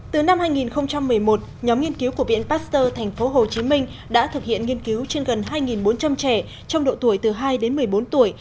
từ năm hai nghìn một mươi một nhóm nghiên cứu của viện pasteur tp hcm đã thực hiện nghiên cứu trên gần hai bốn trăm linh trẻ trong độ tuổi từ hai đến một mươi bốn tuổi